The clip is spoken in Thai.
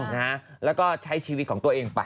แล้วใช้ชีวิตของคุณให้คุยกันมา